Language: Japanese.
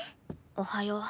おはよう。